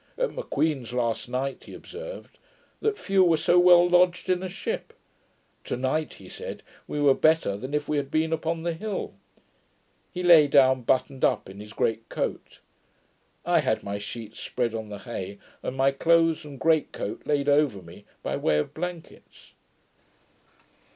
At M'Queen's, last night, he observed, that few were so well lodged in a ship. To night he said, we were better than if we had been upon the hill. He lay down buttoned up in his great coat. I had my sheets spread on the hay, and my clothes and great coat laid over me, by way of blankets.